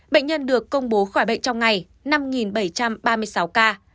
bệnh nhân được công bố khỏi bệnh trong ngày năm bảy trăm ba mươi sáu ca